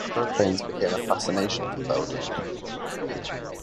Airplanes became a fascination for Belden.